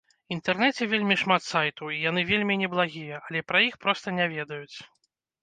Інтэрнеце вельмі шмат сайтаў і яны вельмі неблагія, але пра іх проста не ведаюць.